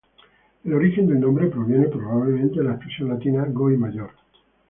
El origen del nombre proviene, probablemente, de la expresión latina "Goy Major".